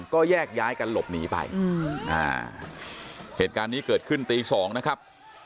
ก็แยกย้ายกันหลบหนีไปเหตุการณ์นี้เกิดขึ้นตีสองนะครับ